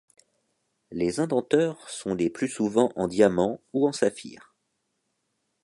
Les indenteurs sont les plus souvent en diamant ou en saphir.